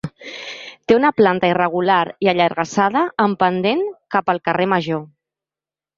Té una planta irregular i allargassada en pendent cap al Carrer Major.